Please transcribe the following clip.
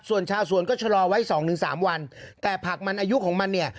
ส่วนชาวสวนก็ชะลอไว้สองถึงสามวันแต่ผักมันอายุของมันเนี่ย